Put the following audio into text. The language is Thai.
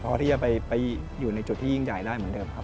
เพราะว่าที่จะไปอยู่ในจุดที่ยิ่งใหญ่ได้เหมือนเดิม